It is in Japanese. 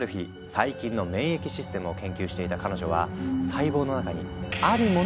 細菌の免疫システムを研究していた彼女は細胞の中にあるものを発見する。